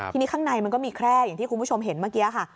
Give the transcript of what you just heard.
ทีนี้ข้างในมันก็มีแคร่อย่างที่คุณผู้ชมเห็นเมื่อกี้ค่ะ